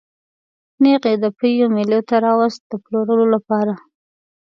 نېغ یې د پېوې مېلې ته راوست د پلورلو لپاره.